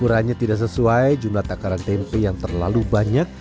ukurannya tidak sesuai jumlah takaran tempe yang terlalu banyak